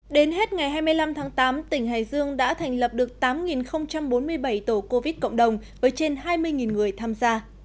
đến hết ngày hai mươi năm tháng tám tỉnh hải dương đã thành lập được tám bốn mươi bảy tổ covid cộng đồng với trên hai mươi người tham gia